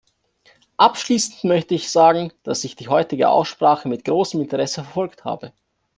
Abschließend möchte ich sagen, dass ich die heutige Aussprache mit großem Interesse verfolgt habe.